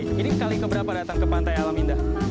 ini kali keberapa datang ke pantai alam indah